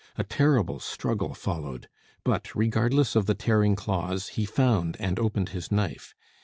A terrible struggle followed; but regardless of the tearing claws, he found and opened his knife.